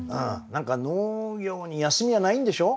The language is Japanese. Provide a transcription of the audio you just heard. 農業に休みはないんでしょ？